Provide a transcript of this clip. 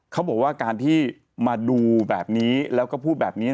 เขาบอกว่าการที่มาดูแบบนี้แล้วก็พูดแบบนี้